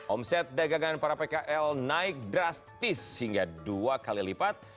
omset dagangan para pkl naik drastis hingga dua kali lipat